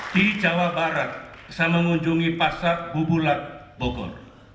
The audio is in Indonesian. di jawa barat saya mengunjungi pasar bubulat bogor